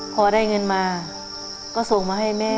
พอได้เงินมาก็ส่งมาให้แม่